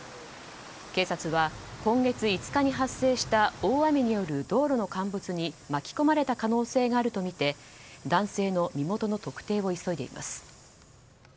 警察は今月５日に発生した大雨による道路の陥没に巻き込まれた可能性があるとみて男性の身元の特定を急いでいます。